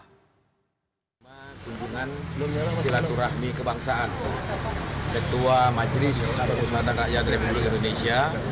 kunjungan silaturahmi kebangsaan ketua majelis pertanak rakyat republik indonesia